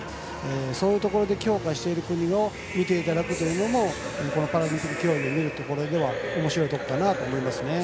そういうところで強化している国を見ていただくというのもパラリンピック競技を見るところではおもしろいかなと思います。